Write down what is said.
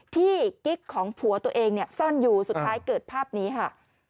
กิ๊กของผัวตัวเองเนี่ยซ่อนอยู่สุดท้ายเกิดภาพนี้ค่ะ